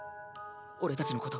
俺たちのこと。